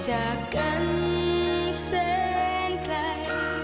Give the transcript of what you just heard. จากกันแสนไกล